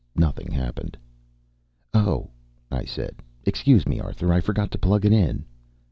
Nothing happened. "Oh," I said. "Excuse me, Arthur. I forgot to plug it in."